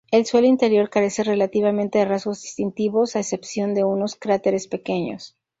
El suelo interior carece relativamente de rasgos distintivos, a excepción de unos cráteres pequeños.